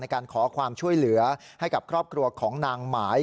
การขอความช่วยเหลือให้กับครอบครัวของนางหมาย